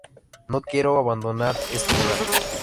No quiero abandonar este lugar.